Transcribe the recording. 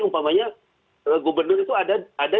umpamanya gubernur itu ada